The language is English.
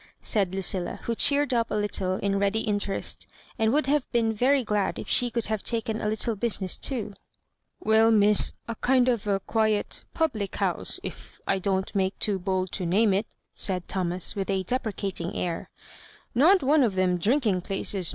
said Lucilla^ who cheered up a little in ready interest, and would have been very glad if she could have taken a little business too. •'^*^ Well, Miss, a kind of a quiet—publio hooae^ if I don't make too bold to name it^" said Thomas, with a.deprecatmg air —'' not one of them drmk ing places.